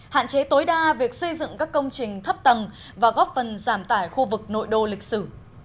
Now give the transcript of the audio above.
hạn chế tối đa việc xây dựng các công trình thấp tầng và góp phần giảm tải khu vực nội đô lịch sử